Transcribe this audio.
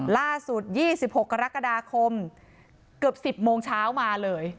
ล่าสุดยี่สิบหกกรกฎาคมเกือบสิบโมงเช้ามาเลยอ๋อ